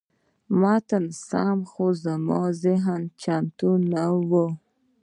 متن سم و، خو زما ذهن چمتو نه و.